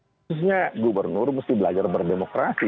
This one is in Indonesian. khususnya gubernur mesti belajar berdemokrasi